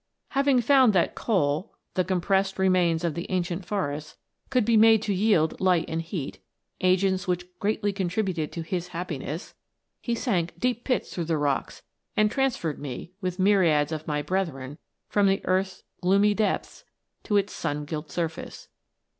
Having found that the compressed remains of the ancient forests* could be made to yield light and heat, agents which greatly contributed to his happiness, he sank deep pits through the rocks, and transferred me, with myriads of my brethren, from the earth's gloomy depths to its sun gilt surface.